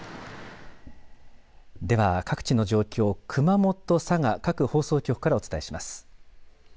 では各地の状況、熊本、佐賀、各放送局からお伝えします。